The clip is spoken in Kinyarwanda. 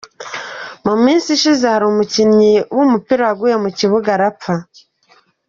Mu minsi ishize hari umukinnyi w’umupira waguye mu kibuga arapfa.